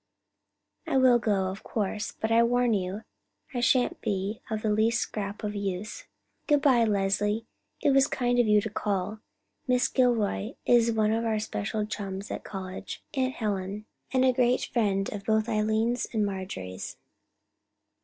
"I will go, of course, but I warn you I shan't be the least scrap of use. Good by, Leslie; it was kind of you to call. Miss Gilroy is one of our special chums at college, Aunt Helen, and a great friend both of Eileen's and Marjorie's."